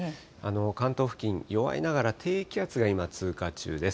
関東付近、弱いながら低気圧が今、通過中です。